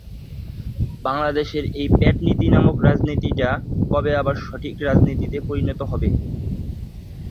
পাশাপাশি অনিয়মিতভাবে leg spin bowling করতেন।